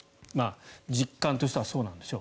実感としてはそうなんでしょう。